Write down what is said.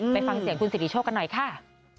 ไปฟังเสียงคุณสิริโชคกันหน่อยค่ะ